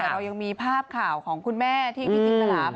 เรายังมีภาพข่าวของคุณแม่ที่พิธีตะหลาภ